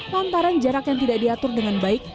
lantaran jarak yang tidak diatur dengan baik